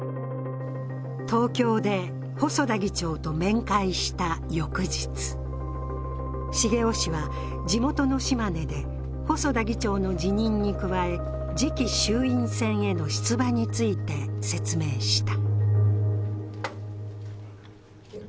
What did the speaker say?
東京で細田議長と面会した翌日、重雄氏は、地元の島根で細田議長の辞任に加え次期衆院選への出馬について説明した。